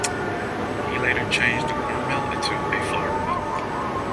He later changed the corn mill into a flour mill.